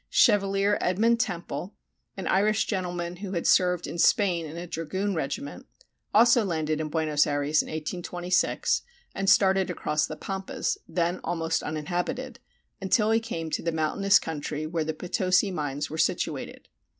Chevalier Edmond Temple, an Irish gentleman who had served in Spain in a dragoon regiment, also landed in Buenos Ayres in 1826, and started across the Pampas, then almost uninhabited, until he came to the mountainous country where the Potosi mines were situated.